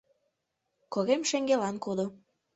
Корем шеҥгелан кодо.